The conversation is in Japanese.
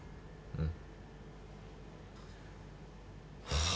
うん。